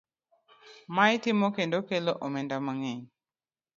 Ma itimo kendo kelo omenda mang'eny.